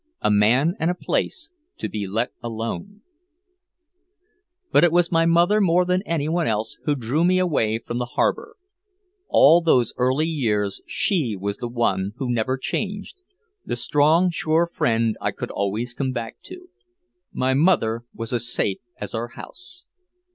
A man and a place to be let alone. But it was my mother more than anyone else who drew me away from the harbor. All through those early years she was the one who never changed, the strong sure friend I could always come back to. My mother was as safe as our house.